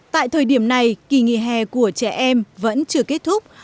tại thời điểm này kỳ nghỉ hè của trẻ em vẫn chưa kết thúc